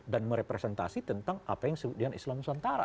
dan merepresentasi tentang apa yang sebutnya islamusantara